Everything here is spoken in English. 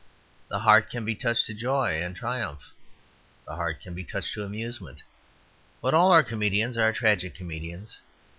The heart can be touched to joy and triumph; the heart can be touched to amusement. But all our comedians are tragic comedians.